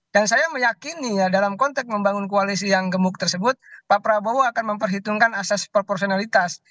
dan saya meyakini ya dalam konteks membangun koalisi yang gemuk tersebut pak prabowo akan memperhitungkan asas proporsionalitas